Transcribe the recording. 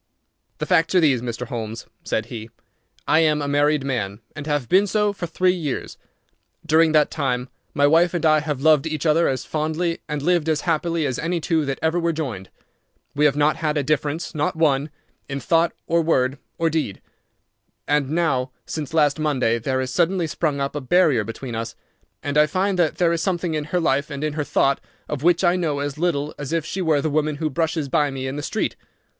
"The facts are these, Mr. Holmes," said he. "I am a married man, and have been so for three years. During that time my wife and I have loved each other as fondly and lived as happily as any two that ever were joined. We have not had a difference, not one, in thought or word or deed. And now, since last Monday, there has suddenly sprung up a barrier between us, and I find that there is something in her life and in her thought of which I know as little as if she were the woman who brushes by me in the street.